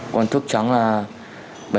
còn thuốc trắng là